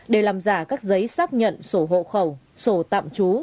để làm giả các giấy xác nhận sổ hộ khẩu sổ tạm trú